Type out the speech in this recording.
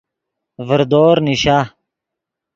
ڤردور نیشا